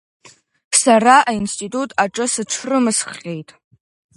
Сара аинститут аҿы сыҽрымысххьеит.